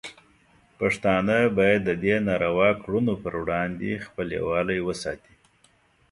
پښتانه باید د دې ناروا کړنو پر وړاندې خپل یووالی وساتي.